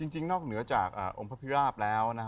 จริงนอกเหนือจากอุงพระพิราบแล้ว